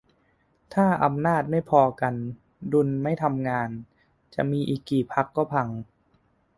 ถ้าอำนาจไม่พอกัน ดุลไม่ทำงาน จะมีอีกกี่พรรคก็พัง